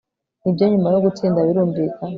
nibyo nyuma yo gutsinda birumvikana